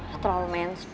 akan berusaha cevang fore